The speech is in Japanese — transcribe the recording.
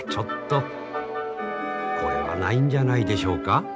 これはないんじゃないでしょうか？